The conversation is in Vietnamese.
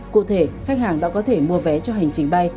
cụ thể khách hàng đã có thể mua vé cho hành trình bay